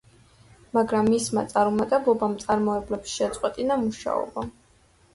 მაგრამ მისმა წარუმატებლობამ მწარმოებლებს შეაწყვეტინა მუშაობა.